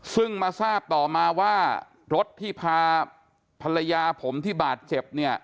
ซึ่งมาทราบต่อมาว่ารถที่พาภรรยาผมที่บาดเจ็บเนี่ย